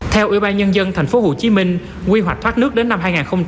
theo ủy ban nhân dân tp hcm quy hoạch thoát nước đến năm hai nghìn ba mươi